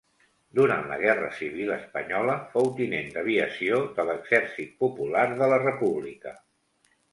Durant la guerra civil espanyola fou tinent d'aviació de l'Exèrcit Popular de la República.